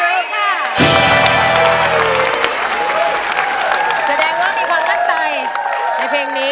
แสดงว่ามีความตั้งใจในเพลงนี้